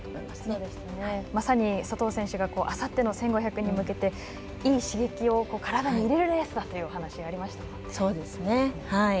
まさに佐藤選手があさっての１５００に向けていい刺激を体に入れるレースだというお話ありました。